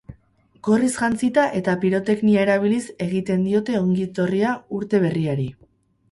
Gorriz jantzita eta piroteknia erabiliz egiten diote ongietorria urte berriari.